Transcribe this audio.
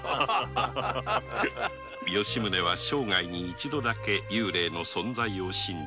吉宗は生涯に一度だけ幽霊の存在を信じた。